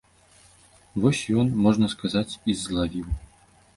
Вось ён, можна сказаць, і злавіў.